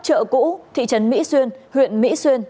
chợ cũ thị trấn mỹ xuyên huyện mỹ xuyên